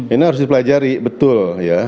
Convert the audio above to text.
ini harus dipelajari betul ya